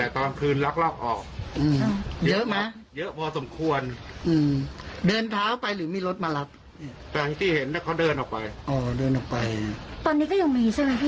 ตอนนี้ก็ยังมีใช่ไหมพี่